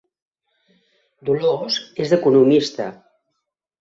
Dolors és economista